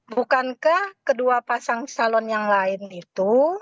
bukankah kedua pasang salon yang lain itu